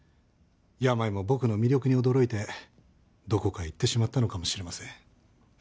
病も僕の魅力に驚いてどこかへ行ってしまったのかもしれません。